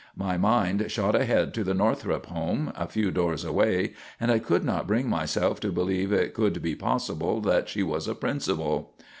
My mind shot ahead to the Northrup home, a few doors away, and I could not bring myself to believe it could be possible that she was a principal.